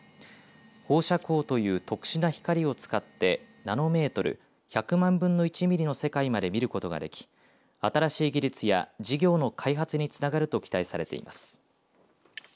放射光という特殊な光を使ってナノメートル・１００万分の１ミリの世界まで見ることができ新しい技術や事業の開発につながると期待されています。